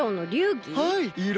はい！